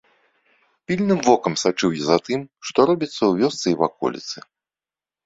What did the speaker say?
Пільным вокам сачыў я за тым, што робіцца ў вёсцы і ваколіцы.